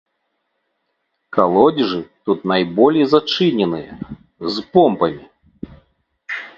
Калодзежы тут найболей зачыненыя, з помпамі.